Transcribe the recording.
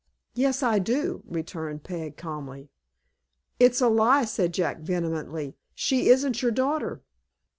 "Yes, I do," returned Peg, calmly. "It's a lie," said Jack, vehemently. "She isn't your daughter."